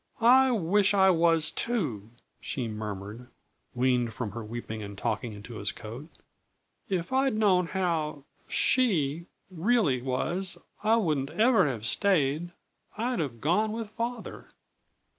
"I wish I was, too," she murmured, weaned from her weeping and talking into his coat. "If I'd known how she really was, I wouldn't ever have stayed. I'd have gone with father."